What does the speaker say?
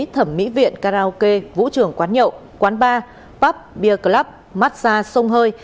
thẩm mỹ viện karaoke vũ trường quán nhậu quán bar pub bia club massage sông hơi